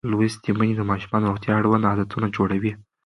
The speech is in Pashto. لوستې میندې د ماشومانو د روغتیا اړوند عادتونه جوړوي.